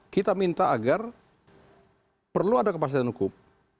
kita minta agar perlu ada kepastian hukum